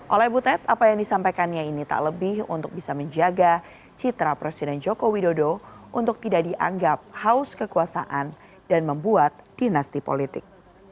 oleh butet apa yang disampaikannya ini tak lebih untuk bisa menjaga citra presiden joko widodo untuk tidak dianggap haus kekuasaan dan membuat dinasti politik